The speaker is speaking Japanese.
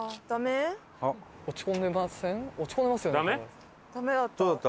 落ち込んでません？